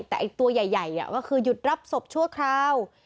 แต่ตัวใหญ่ก็คือหยุดรับศพชั่วคราว